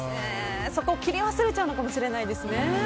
そこ、切り忘れちゃうかもしれないですね。